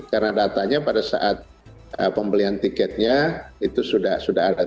karena datanya pada saat pembelian tiketnya itu sudah ada